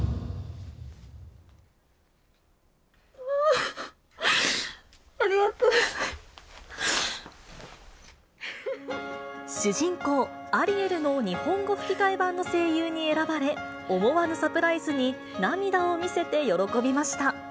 うわー、ありがとうございま主人公、アリエルの日本語吹き替え版の声優に選ばれ、思わぬサプライズに涙を見せて喜びました。